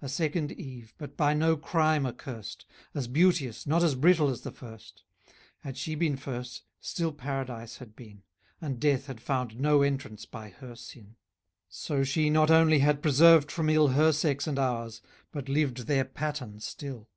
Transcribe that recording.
A second Eve, but by no crime accurst; As beauteous, not as brittle as the first. Had she been first, still Paradise had been, And death had found no entrance by her sin. So she not only had preserved from ill Her sex and ours, but lived their pattern still.